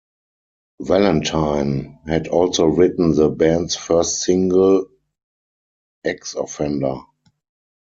Valentine had also written the band's first single, "X Offender".